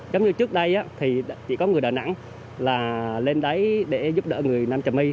giống như trước đây thì chỉ có người đà nẵng là lên đấy để giúp đỡ người nam trà my